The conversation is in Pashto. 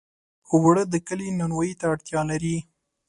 اوړه د کلي نانوایۍ ته اړتیا لري